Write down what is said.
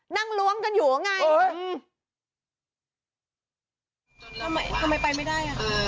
นั่งรวมกันอยู่กันไง